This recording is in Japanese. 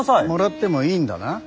もらってもいいんだな。